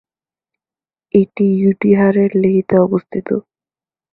এটি ইউটাহের লেহিতে অবস্থিত।